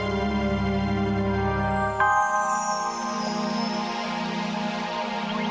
selalu semangat untuk mencari kesehatan yang berhasil